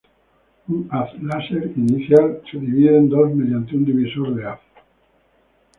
Un haz láser inicial se divide en dos mediante un divisor de haz.